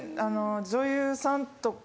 女優さんとか。